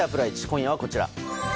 今夜はこちら。